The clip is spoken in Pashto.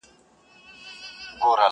• معرفت ته یې حاجت نه وینم چاته,